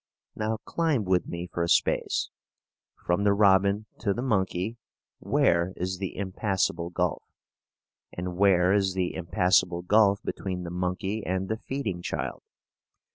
Now climb with me for a space. From the robin to the monkey, where is the impassable gulf? and where is the impassable gulf between the monkey and the feeding child?